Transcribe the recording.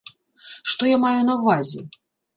Што я маю на ўвазе?